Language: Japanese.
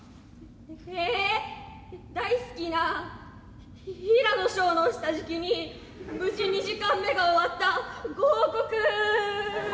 「え大好きな平野紫耀の下敷きに無事２時間目が終わったご報告」。